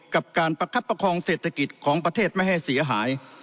กับการประคับประคองเศรษฐกิจของประเทศไม่ให้เสียหาย